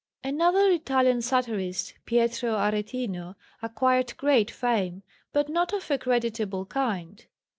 Another Italian satirist, Pietro Aretino, acquired great fame, but not of a creditable kind.